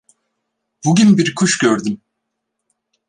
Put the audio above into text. Bugün bir kuş gördüm.